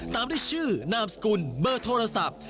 ตามด้วยชื่อนามสกุลเบอร์โทรศัพท์